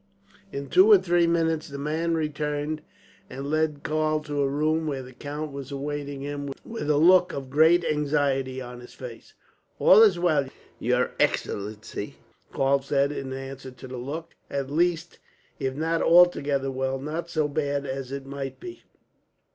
In two or three minutes the man returned, and led Karl to a room where the count was awaiting him, with a look of great anxiety on his face. "All is well, your excellency," Karl said, in answer to the look. "At least, if not altogether well, not so bad as it might be.